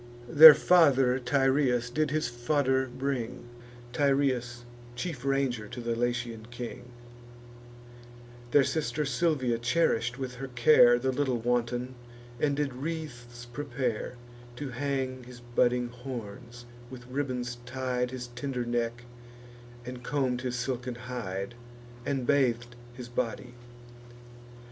Their father Tyrrheus did his fodder bring, Tyrrheus, chief ranger to the Latian king: Their sister Silvia cherish'd with her care The little wanton, and did wreaths prepare To hang his budding horns, with ribbons tied His tender neck, and comb'd his silken hide, And bathed his body.